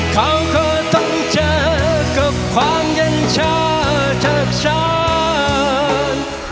เขาก็ต้องเจอกับความเย็นชาติฉัน